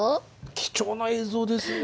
貴重な映像ですね。